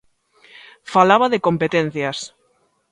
Falaba de competencias.